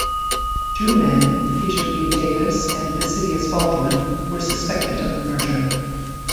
Two men, Peter B. Davis and Lycidias Baldwin, were suspected of the murder.